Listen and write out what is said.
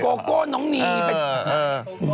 โกโก้น้องนีไป